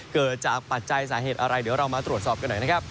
เกิดจากปัจจัยสาเหตุอะไรเดี๋ยวเรามาตรวจสอบกันหน่อยนะครับ